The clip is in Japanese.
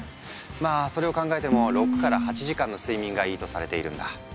まあそれを考えても６８時間の睡眠がいいとされているんだ。